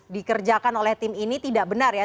dikerjakan oleh tim ini tidak benar ya